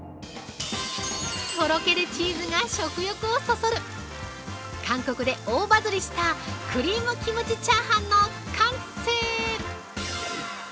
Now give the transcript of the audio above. ◆とろけるチーズが食欲をそそる韓国で大バズりしたクリームキムチチャーハンの完成。